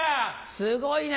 すごいね。